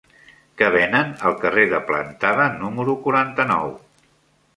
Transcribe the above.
Què venen al carrer de Plantada número quaranta-nou?